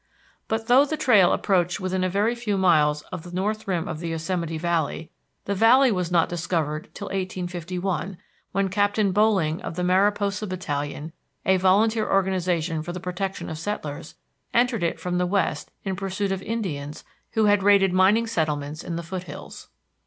But, though the trail approached within a very few miles of the north rim of the Yosemite Valley, the valley was not discovered till 1851, when Captain Boling of the Mariposa Battalion, a volunteer organization for the protection of settlers, entered it from the west in pursuit of Indians who had raided mining settlements in the foothills.